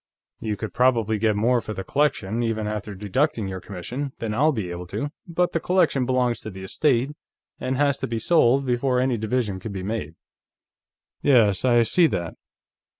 You could probably get more for the collection, even after deducting your commission, than I'll be able to, but the collection belongs to the estate, and has to be sold before any division can be made." "Yes, I see that.